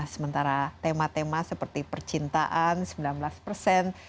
sementara tema tema seperti percintaan sembilan belas persen